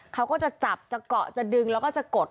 เขาก็จะจับจะเกาะจะดึงแล้วก็จะกด